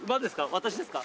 私ですか？